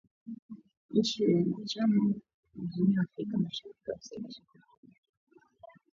Nchi wanachama wa Jumuiya ya Afrika Mashariki waliwasilisha maombi yao